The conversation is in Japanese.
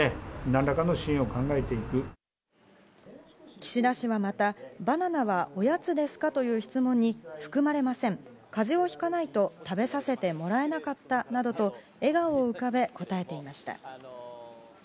岸田氏はまた、バナナはおやつですか？という質問に含まれません、風邪をひかないと食べさせてもらえなかったなどと笑顔を浮かべ答えていました。